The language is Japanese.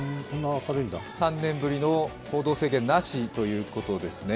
３年ぶりの行動制限なしということですね。